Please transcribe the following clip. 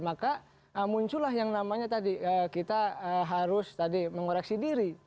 maka muncullah yang namanya tadi kita harus tadi mengoreksi diri